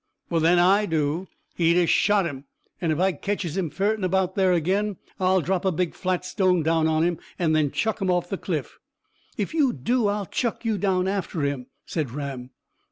"Well, then, I do. He'd have shot him. And if I ketches him ferretin' about there again, I'll drop a big flat stone down on him, and then chuck him off the cliff." "If you do, I'll chuck you down after him," said Ram.